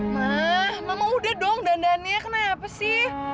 mah memang udah dong dandannya kenapa sih